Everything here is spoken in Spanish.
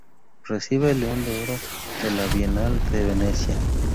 Recibe el León de Oro de la Bienal de Venecia.